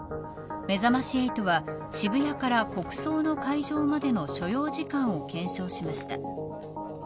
めざまし８は渋谷から国葬の会場までの所要時間を検証しました。